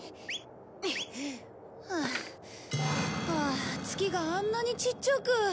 ああ月があんなにちっちゃく。